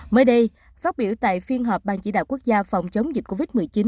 mới đây phát biểu tại phiên họp ban chỉ đạo quốc gia phòng chống dịch covid một mươi chín